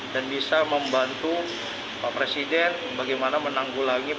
dan bisa membantu pak presiden bagaimana menanggulangi